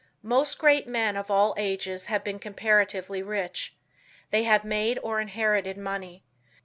Most great men of all ages have been comparatively rich. They have made or inherited money.